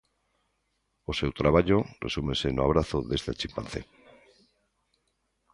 O seu traballo resúmese no abrazo desta chimpancé.